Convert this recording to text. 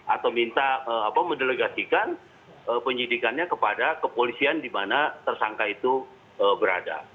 atau minta mendelegasikan penyidikannya kepada kepolisian di mana tersangka itu berada